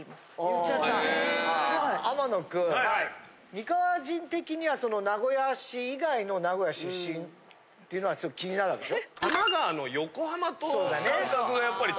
三河人的にはその名古屋市以外の名古屋出身っていうのは気になるわけでしょ？